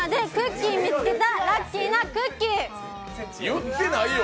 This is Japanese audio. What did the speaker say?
言ってないよ！